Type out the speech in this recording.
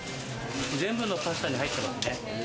全部のパスタに入ってますね。